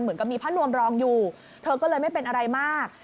เหมือนกับมีผ้านวมรองอยู่เธอก็เลยไม่เป็นอะไรมาก